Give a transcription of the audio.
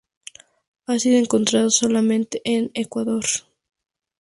Ha sido encontrada solamente en Ecuador.